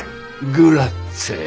グラッチェ。